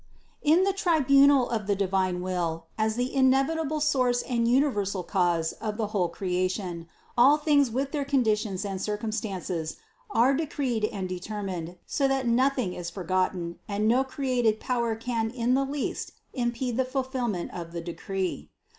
In the tribunal of the divine will, as the inevit able source and universal cause of the whole creation, all things with their conditions and circumstances, are decreed and determined, so that nothing is forgotten and no created power can in the least impede the fulfill ment of the decree.